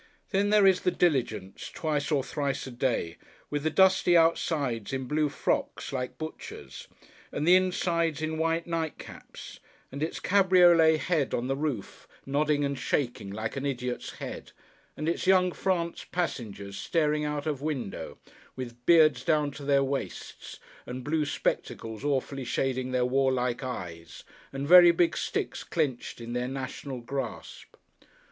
Then, there is the Diligence, twice or thrice a day; with the dusty outsides in blue frocks, like butchers; and the insides in white nightcaps; and its cabriolet head on the roof, nodding and shaking, like an idiot's head; and its Young France passengers staring out of window, with beards down to their waists, and blue spectacles awfully shading their warlike eyes, and very big sticks clenched in their National grasp.